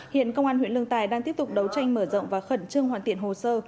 hiện công an huyện lương tài đang tiếp tục đấu tranh mở rộng và khẩn trương hoàn thiện hồ sơ